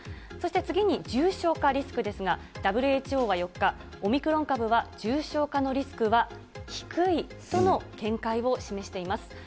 そして次に重症化リスクですが、ＷＨＯは４日、オミクロン株は重症化のリスクは低いとの見解を示しています。